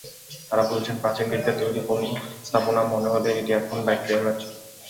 তাঁরা বলছেন, প্রাচীন গ্রিকদের তৈরি কোনো স্থাপনা মনে হলেও এটি এখন ব্যাকটেরিয়ার রাজ্য।